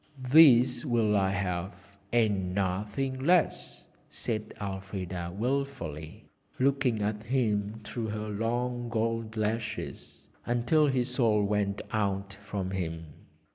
'These will I have, and nothing less,' said Elfrida wilfully, looking at him through her long gold lashes until his soul went out from him.